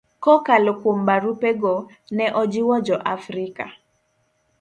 Kokalo kuom barupego, ne ojiwo Jo-Afrika